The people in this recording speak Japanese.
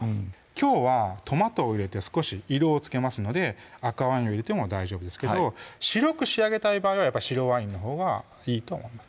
きょうはトマトを入れて少し色をつけますので赤ワインを入れても大丈夫ですけど白く仕上げたい場合はやっぱり白ワインのほうがいいと思います